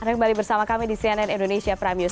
anda kembali bersama kami di cnn indonesia prime news